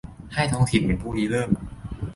ให้ท้องถิ่นเป็นผู้ริเริ่ม